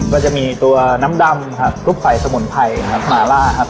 ก็จะมีตัวน้ำดำครับทุกฝ่ายสมุนไพรหลาครับกำลาครับ